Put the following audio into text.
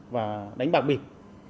và đánh bạc bịp